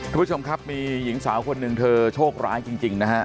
คุณผู้ชมครับมีหญิงสาวคนหนึ่งเธอโชคร้ายจริงนะฮะ